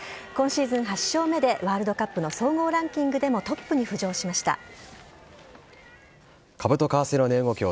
今シーズン８勝目で、ワールドカップの総合ランキングでもトップに浮上しました。